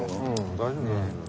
大丈夫。